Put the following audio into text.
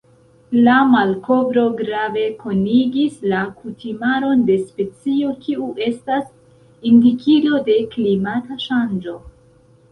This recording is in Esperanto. La malkovro grave konigis la kutimaron de specio kiu estas indikilo de klimata ŝanĝo.